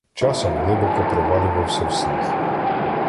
Часом глибоко провалювався в сніг.